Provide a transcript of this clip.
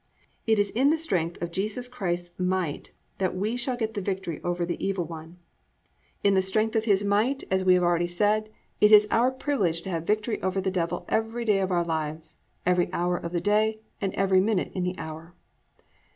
_ It is in the strength of Jesus Christ's might that we shall get the victory over "the evil one." In the strength of His might, as we have already said, it is our privilege to have victory over the Devil every day of our lives, every hour of the day and every minute in the hour.